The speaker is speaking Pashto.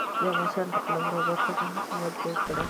د عباسیانو قلمرو برخو کې حکومتونه جوړ کړي